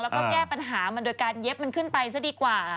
แล้วก็แก้ปัญหามันโดยการเย็บมันขึ้นไปซะดีกว่า